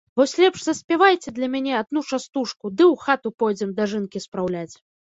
Вось лепш заспявайце для мяне адну частушку, ды ў хату пойдзем дажынкі спраўляць.